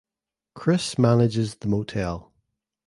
Chris manages the motel.